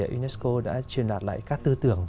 unesco đã truyền đạt lại các tư tưởng